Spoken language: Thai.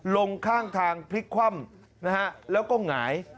ลงข้างทางพลิกคว่ำนะฮะแล้วก็หงาย